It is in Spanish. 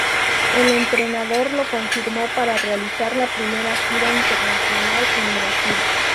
El entrenador lo confirmó para realizar la primera gira internacional, en Brasil.